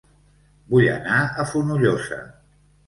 Vull anar a Fonollosa